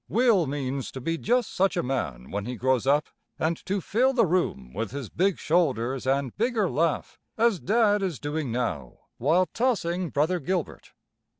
Will means to be just such a man when he grows up, and to fill the room with his big shoulders and bigger laugh as Dad is doing now while tossing Brother Gilbert.